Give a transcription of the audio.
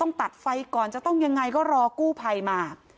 ตัดไฟก่อนจะต้องยังไงก็รอกู้ภัยมา